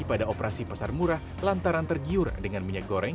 pada operasi pasar murah lantaran tergiur dengan minyak goreng